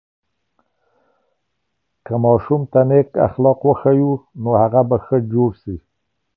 که ماشوم ته نیک اخلاق وښیو، نو هغه به ښه جوړ سي.